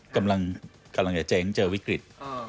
กำลังจะเจ๊งเจอวิกฤต